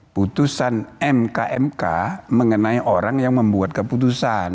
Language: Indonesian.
putusan mk mk mengenai orang yang membuat keputusan